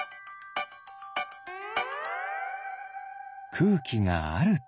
くうきがあると。